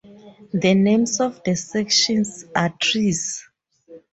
The names of the sections are trees.